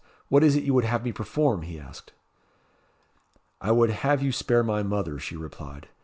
What is it you would have me perform?" he asked. "I would have you spare my mother," she replied.